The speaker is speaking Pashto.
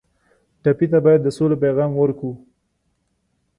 ټپي ته باید د سولې پیغام ورکړو.